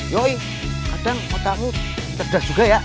yoi kadang otakmu cerdas juga ya